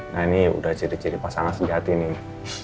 nah ini udah ciri ciri pasangan sejati nih